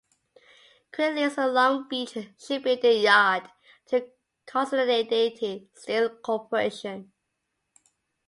Craig leased the Long Beach Shipbuilding yard to Consolidated Steel Corporation.